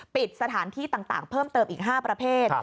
ปิดสถานที่ต่างเพิ่มเติมอีก๕ประเภท